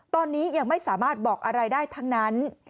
ตอนนี้ยังไม่สามารถบอกอะไรได้ทั้งนั้น